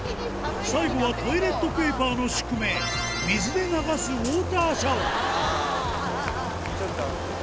最後はトイレットペーパーの宿命水で流すウォーターシャワーあぁちょっと。